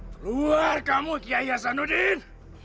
keluar kamu kiyai hasanuddin